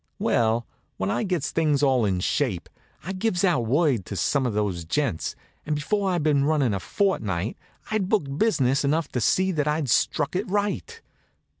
Well, when I gets things all in shape I gives out word to some of those gents, and before I'd been runnin' a fortnight I'd booked business enough to see that I'd struck it right.